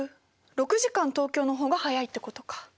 ６時間東京の方が早いってことか。